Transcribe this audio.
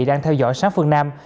đang theo dõi sáng phương nam